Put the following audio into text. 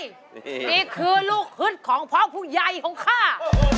นี่คือลูกฮึดของพ่อผู้ใหญ่ของข้า